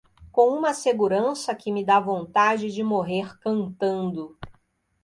com uma segurança que me dá vontade de morrer cantando.